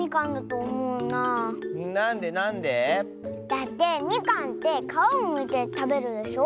なんでなんで？だってみかんってかわをむいてたべるでしょ。